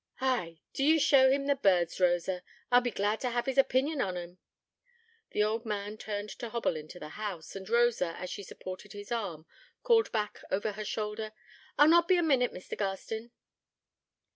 'Ay, do ye show him the birds, Rosa. I'd be glad to have his opinion on 'em.' The old man turned to hobble into the house, and Rosa, as she supported his arm, called back over her shoulder: 'I'll not be a minute, Mr. Garstin.'